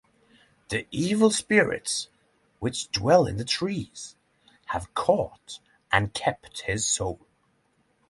The evil spirits which dwell in the trees have caught and kept his soul.